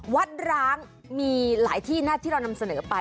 ร้างมีหลายที่นะที่เรานำเสนอไป